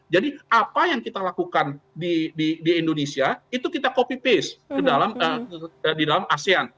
jadi apa yang kita lakukan di indonesia itu kita copy paste di dalam asean